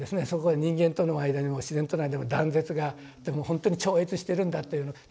そこは人間との間にも自然との間にも断絶がでもほんとに超越しているんだというの。